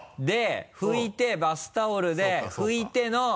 で拭いてバスタオルで拭いての。